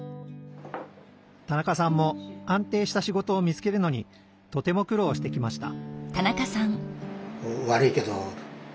田中さんも安定した仕事を見つけるのにとても苦労してきました